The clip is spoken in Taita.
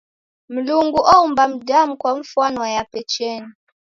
Mlungu oumba mdamu kwa fwana yape cheni.